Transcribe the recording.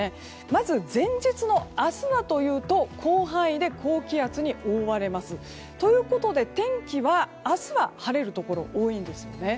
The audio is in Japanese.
まず前日の明日はというと広範囲で高気圧に覆われます。ということで、天気は明日は晴れるところが多いです。